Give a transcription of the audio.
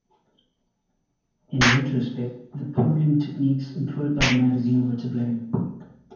In retrospect, the polling techniques employed by the magazine were to blame.